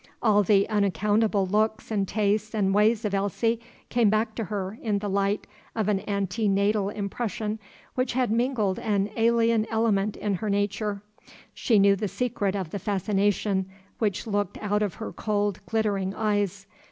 All the unaccountable looks and tastes and ways of Elsie came back to her in the light of an ante natal impression which had mingled an alien element in her nature. She knew the secret of the fascination which looked out of her cold, glittering eyes.